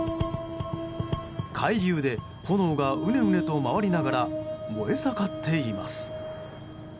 海流で炎がうねうねと回りながら燃え盛っています。